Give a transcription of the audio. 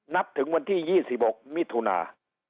นับถึงวันที่๒๖มิถุนา